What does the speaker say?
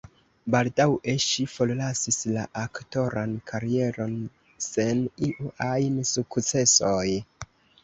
Baldaŭe ŝi forlasis la aktoran karieron sen iu ajn sukcesoj.